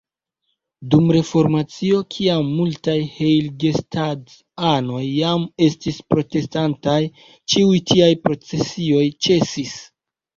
Dum Reformacio, kiam multaj heiligenstadt-anoj jam estis protestantaj, ĉiuj tiaj procesioj ĉesis.